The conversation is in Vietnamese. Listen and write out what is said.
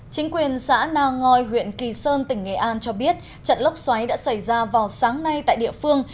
chính quyền xã na ngoi huyện kỳ sơn tỉnh nghệ an cho biết trận lốc xoáy đã xảy ra vào sáng nay tại địa phương